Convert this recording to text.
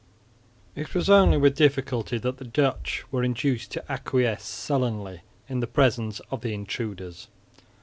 It was only with difficulty that the Dutch were induced to acquiesce sullenly in the presence of the intruders.